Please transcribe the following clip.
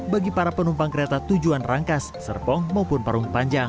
bagi para penumpang kereta tujuan rangkas serpong maupun parung panjang